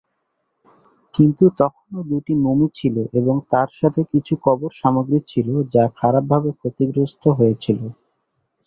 কিন্তু তখনও দু'টি মমি ছিল এবং তার সাথে কিছু কবর সামগ্রী ছিল যা খারাপভাবে ক্ষতিগ্রস্ত হয়েছিল।